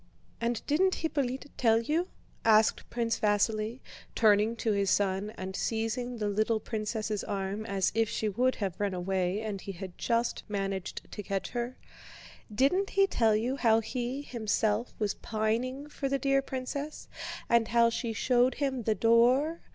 "And didn't Hippolyte tell you?" asked Prince Vasíli, turning to his son and seizing the little princess' arm as if she would have run away and he had just managed to catch her, "didn't he tell you how he himself was pining for the dear princess, and how she showed him the door?